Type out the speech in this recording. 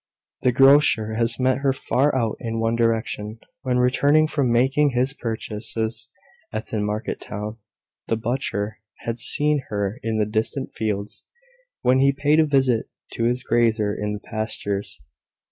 The grocer had met her far out in one direction, when returning from making his purchases at the market town. The butcher had seen her in the distant fields, when he paid a visit to his grazier in the pastures.